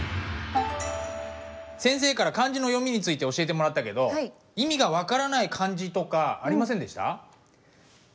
先生から漢字の読みについて教えてもらったけど意味が分からない漢字とかありませんでした？